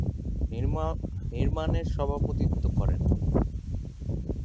নির্মাণের সভাপতিত্ব করেন।